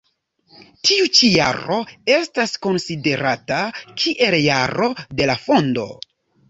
Tiu ĉi jaro estas konsiderata kiel jaro de la fondo.